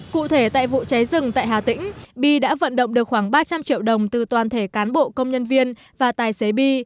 cụ thể tại vụ cháy rừng tại hà tĩnh bi đã vận động được khoảng ba trăm linh triệu đồng từ toàn thể cán bộ công nhân viên và tài xế bi